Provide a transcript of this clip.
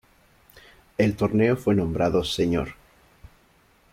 El torneo fue nombrado Sr.